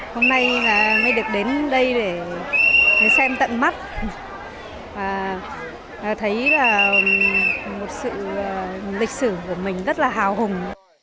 hôm nay mới được đến đây để xem tận mắt và thấy là một sự lịch sử của mình rất là hào hùng